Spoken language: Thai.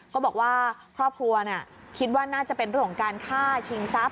ก็บอกว่าครอบครัวคิดว่าน่าจะเป็นเรื่องของการฆ่าชิงทรัพย